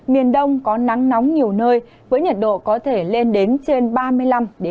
miền đông có nắng nóng nhiều nơi với nhiệt độ có thể lên đến trên ba mươi năm đến ba mươi sáu độ